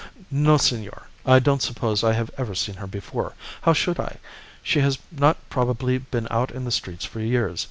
"'No, senor. I don't suppose I have ever seen her before. How should I? She has not probably been out in the streets for years.